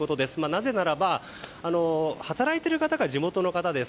なぜならば働いている方が地元の方です。